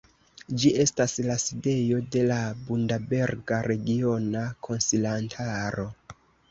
Ĝi estas la sidejo de la Bundaberga Regiona Konsilantaro.